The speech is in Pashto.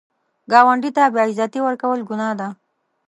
ګاونډي ته بې عزتي ورکول ګناه ده